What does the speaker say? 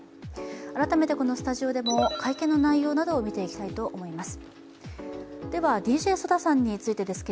改めてこのスタジオでも会見の内容などを見ていきたいと思います。